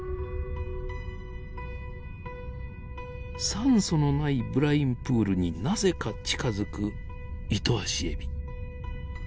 酸素のないブラインプールになぜか近づくイトアシエビ。